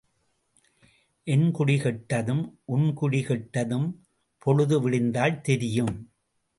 என் குடி கெட்டதும் உன் குடி கெட்டதும் பொழுது விடிந்தால் தெரியும்.